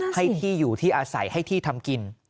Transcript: ให้ที่อยู่ที่อาศัยให้ที่ทำกิน